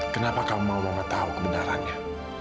kenapa kamu mau mama tahu kebenarannya